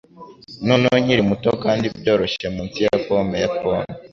Noneho nkiri muto kandi byoroshye munsi ya pome ya pome